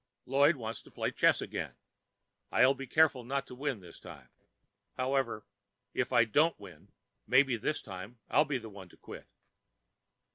Lloyd wants to play chess again. I'll be careful not to win this time. However, if I don't win, maybe this time I'll be the one to quit.